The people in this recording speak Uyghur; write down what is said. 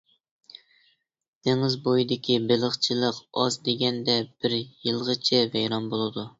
دېڭىز بويىدىكى بېلىقچىلىق ئاز دېگەندە بىر يىلغىچە ۋەيران بولىدۇ.